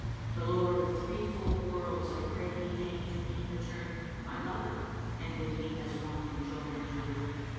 The Lord of Threefold Worlds I pray He deign to me return * My lover and we meet as wont in joy and jubilee."